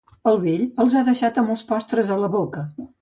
El vell els ha deixat amb les postres a la boca.